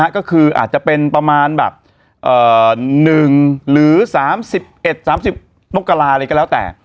ก็คืออาจจะเป็นประมาณแบบ๑หรือ๓๑๓๐มกราอะไรก็แล้วแต่